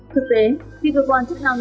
thực tế khi cơ quan chức năng